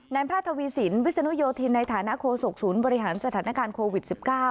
แพทย์ทวีสินวิศนุโยธินในฐานะโคศกศูนย์บริหารสถานการณ์โควิด๑๙